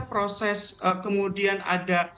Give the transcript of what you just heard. proses kemudian ada